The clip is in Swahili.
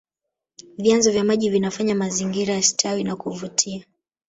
vyanzo vya maji vinafanya mazingira yastawi na kuvutia